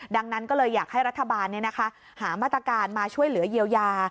ดังนั้นก็เลยอยากให้รัฐบาลหามาตรการมาช่วยเหลือเยียวยา